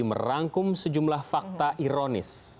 merangkum sejumlah fakta ironis